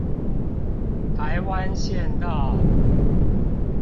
臺灣縣道